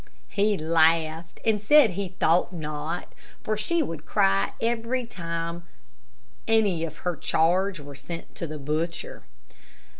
He laughed, and said he thought not, for she would cry every time any of her charge were sent to the butcher.